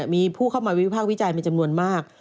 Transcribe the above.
มีผู้เข้ามาวิวิภาควิจัยมีจำนวนมาก